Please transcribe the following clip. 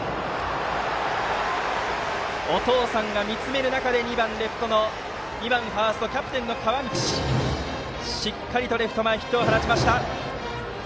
お父さんが見つめる中で２番ファーストの川道がしっかりとレフト前ヒットを放ちました。